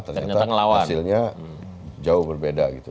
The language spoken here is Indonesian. ternyata hasilnya jauh berbeda gitu